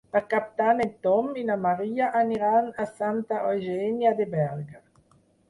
Per Cap d'Any en Tom i na Maria aniran a Santa Eugènia de Berga.